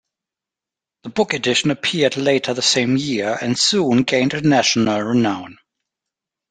The book edition appeared later the same year, and soon gained international renown.